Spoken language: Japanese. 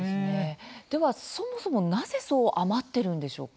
では、そもそもなぜ、そう余ってるんでしょうか。